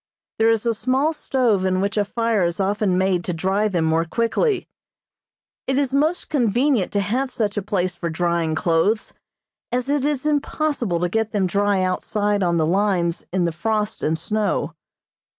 There is a small stove in which a fire is often made to dry them more quickly. It is most convenient to have such a place for drying clothes, as it is impossible to get them dry outside on the lines in the frost and snow.